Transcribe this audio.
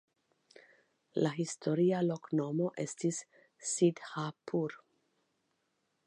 La historia loknomo estis "Sidhhapur".